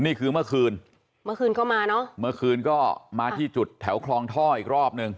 นี่คือเมื่อคืนเมื่อคืนก็มาเนอะเมื่อคืนก็มาที่จุดแถวคลองท่ออีกรอบหนึ่ง